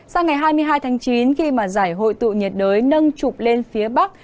sang ngày hai mươi hai tháng chín khi giải hội tụ nhiệt đới nâng trục lên phía bắc